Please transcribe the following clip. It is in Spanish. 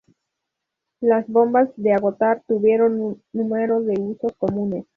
Las "bombas de agotar" tuvieron un número de usos comunes.